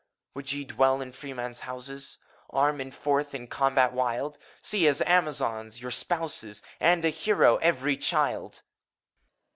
Would ye dwell in freemen's houses t Arm, and forth to combat wild! See, as Amazons, your spouses, And a hero every child!